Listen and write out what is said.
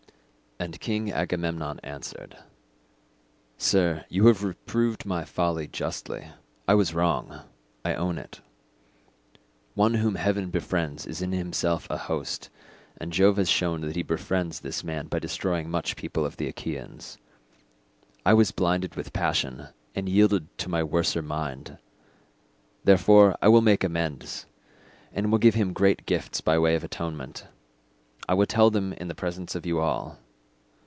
And King Agamemnon answered, "Sir, you have reproved my folly justly. I was wrong. I own it. One whom heaven befriends is in himself a host, and Jove has shown that he befriends this man by destroying much people of the Achaeans. I was blinded with passion and yielded to my worser mind; therefore I will make amends, and will give him great gifts by way of atonement. I will tell them in the presence of you all.